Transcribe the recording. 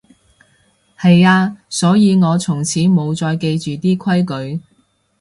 係啊，所以我從此無再記住啲規矩